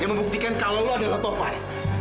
yang membuktikan kalau lo adalah tovan